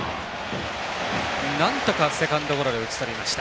なんとかセカンドゴロで打ち取りました。